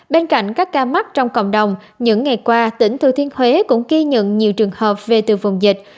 bên cạnh các ca mắc trong cộng đồng những ngày qua tỉnh thừa thiên huế cũng ghi nhận nhiều trường hợp về từ vùng dịch